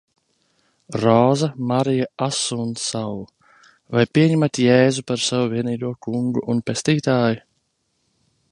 Roza Marija Asunsau, Vai pieņemat Jēzu par savu vienīgo kungu un pestītāju?